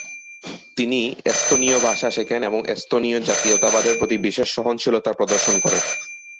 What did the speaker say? তিনি এস্তোনীয় ভাষা শেখেন এবং এস্তোনীয় জাতীয়তাবাদের প্রতি বিশেষ সহনশীলতা প্রদর্শন করেন।